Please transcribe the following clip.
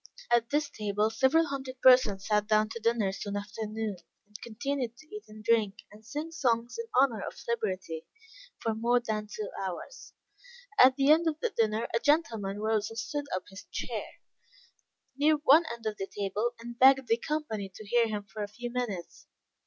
At this table several hundred persons sat down to dinner soon after noon, and continued to eat and drink, and sing songs in honor of liberty, for more than two hours. At the end of the dinner a gentleman rose and stood upon his chair, near one end of the table, and begged the company to hear him for a few minutes.